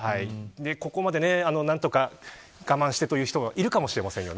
ここまで何とか我慢してという人がいるかもしれませんよね。